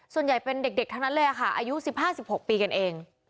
ส่วนใหญ่เป็นเด็กทั้งนั้นเลยค่ะอายุ๑๕๑๖ปีกันเอง